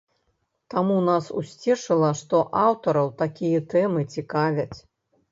Таму нас усцешыла, што аўтараў такія тэмы цікавяць.